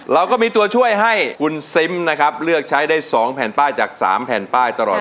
เราก็มีตัวช่วยให้คุณซิมนะครับเลือกใช้ได้๒แผ่นป้ายจาก๓แผ่นป้ายตลอด